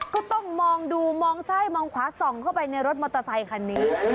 ก็ต้องมองดูมองซ้ายมองขวาส่องเข้าไปในรถมอเตอร์ไซคันนี้